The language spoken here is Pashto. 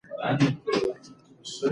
شاعرۍ کې